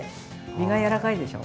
身が柔らかいでしょ。